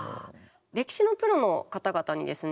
歴史のプロの方々にですね